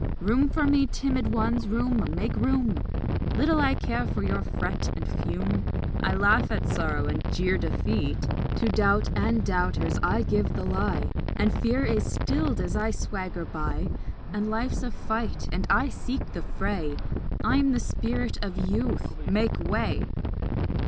Room for me, timid ones, room, make room! Little I care for your fret and fume I laugh at sorrow and jeer defeat; To doubt and doubters I give the lie, And fear is stilled as I swagger by, And life's a fight and I seek the fray; I am the spirit of Youth; make way!